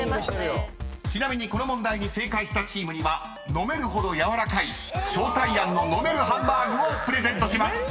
［ちなみにこの問題に正解したチームには飲めるほど柔らかい将泰庵の飲めるハンバーグをプレゼントします］